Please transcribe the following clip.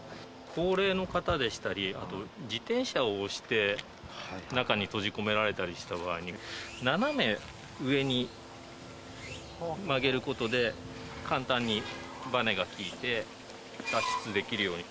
高齢の方でしたり、自転車を押して中に閉じ込められたりした場合に、斜め上に上げることで、簡単にばねが効いて、脱出できるように。